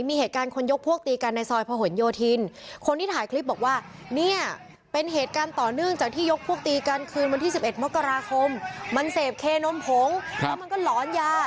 มันตีกันคืนวันที่๑๑มกราคมมันเสพเคนมพงค์แล้วมันก็หลอนยา